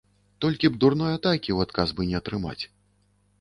Толькі б дурной атакі ў адказ бы не атрымаць.